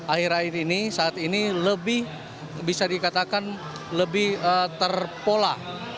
akhir akhir ini saat ini lebih bisa dikatakan lebih terpola